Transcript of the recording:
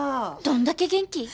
どんだけ元気！？